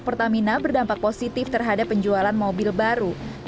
pertamina berdampak positif terhadap penjualan mobil baru